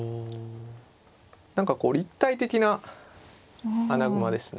何かこう立体的な穴熊ですね。